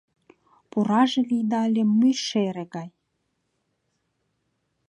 Пураже лийдале мӱй шере гай